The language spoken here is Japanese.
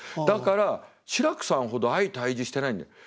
だから志らくさんほど相対峙してないんで。